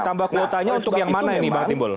tambah kuotanya untuk yang mana ini bang timbul